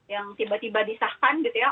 yang tiba tiba disahkan gitu ya